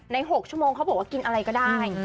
๖ชั่วโมงเขาบอกว่ากินอะไรก็ได้